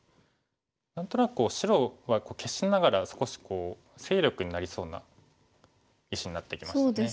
何となく白は消しながら少し勢力になりそうな石になってきましたね。